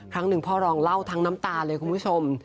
ครั้งหนึ่งพ่อรองเล่าทั้งน้ำตาเลยคุณผู้ชม